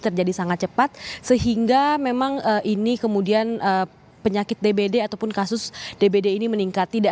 terjadi sangat cepat sehingga memang ini kemudian penyakit dbd ataupun kasus dbd ini meningkat tidak